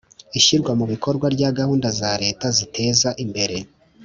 Ishyirwa mu bikorwa rya gahunda za leta ziteza imbere